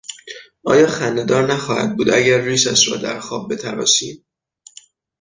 آیا خندهدار نخواهد بود اگر ریشش را در خواب بتراشیم؟